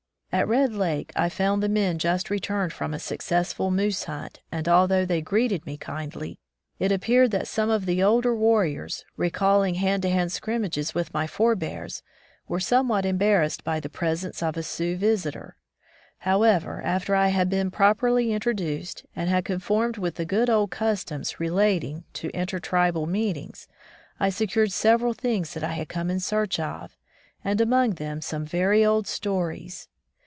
At Red Lake, I found the men just re turned from a successful moose hunt, and although they greeted me kindly, it appeared that some of the older warriors, recalling hand to hand scrimmages with my forbears, were somewhat embarrassed by the presence of a Sioux visitor. However, after I had been properly introduced, and had conformed with the good old customs relating to inter tribal meetings, I secured several things that I had come in search of, and among them some very old stories.